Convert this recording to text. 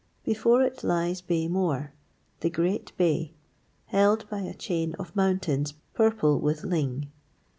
Before it lies Bay Mooar, the great bay, held by a chain of mountains purple with ling.